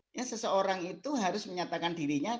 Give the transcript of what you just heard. pasien harus menyatakan dirinya